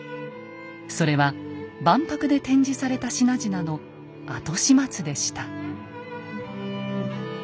それは万博で展示された品々の後始末でした。